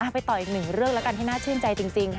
ไปต่ออีกหนึ่งเรื่องแล้วกันที่น่าชื่นใจจริงค่ะ